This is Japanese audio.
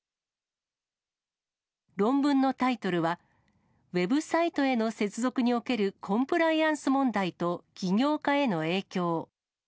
論文のタイトルは、ウェブサイトへの接続におけるコンプライアンス問題と起業家への影響。